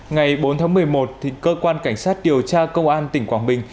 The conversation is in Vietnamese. ngày bốn tháng một mươi một cơ quan cảnh sát điều tra công an tỉnh quảng bình